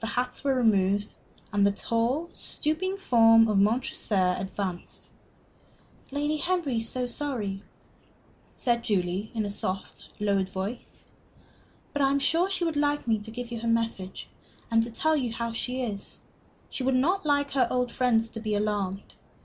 The hats were removed, and the tall, stooping form of Montresor advanced. "Lady Henry is so sorry," said Julie, in a soft, lowered voice. "But I am sure she would like me to give you her message and to tell you how she is. She would not like her old friends to be alarmed.